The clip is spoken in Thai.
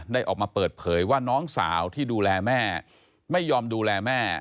ออกมาเปิดเผยว่าน้องสาวที่ดูแลแม่ไม่ยอมดูแลแม่